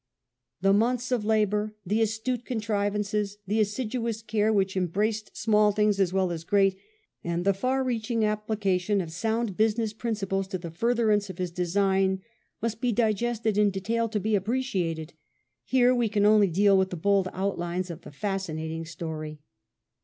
The months of labour, the astute contrivances, the assiduous care which embraced small things as well as greats and the far reaching appli cation of sound business principles to the furtherance of his design, must be digested in detail to be appreciated. Here we can only deal with the bold outlines of the fascinating story.